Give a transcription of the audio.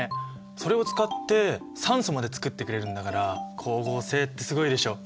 それを使って酸素まで作ってくれるんだから光合成ってすごいでしょ。